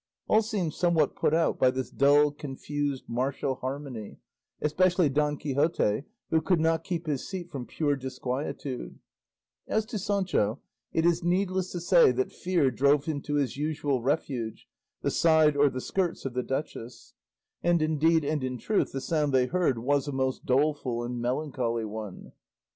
All seemed somewhat put out by this dull, confused, martial harmony, especially Don Quixote, who could not keep his seat from pure disquietude; as to Sancho, it is needless to say that fear drove him to his usual refuge, the side or the skirts of the duchess; and indeed and in truth the sound they heard was a most doleful and melancholy one.